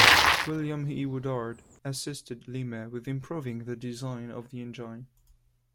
William E. Woodard assisted Lima with improving the design of the engine.